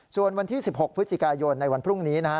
ส่วนวันที่๑๖พฤศจิกายนในวันพรุ่งนี้นะฮะ